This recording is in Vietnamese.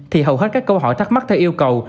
thì hầu hết các câu hỏi thắc mắc theo yêu cầu